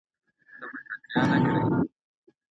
ایا ملي بڼوال جلغوزي پلوري؟